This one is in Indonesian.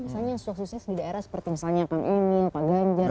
misalnya yang sukses di daerah seperti misalnya pemimil paganjar